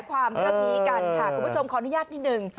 คุณผู้ชมขออนุญาตนิดนึง